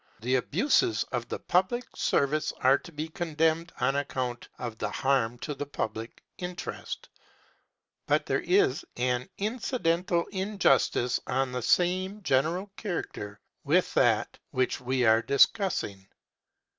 The abuses of the public service are to be condemned on account of the harm to the public interest, but there is an incidental injustice of the same general character with that which we are discussing.